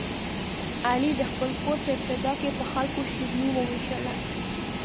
علي د خپل کور په ابتدا کې په خلکو شیریني ووېشله.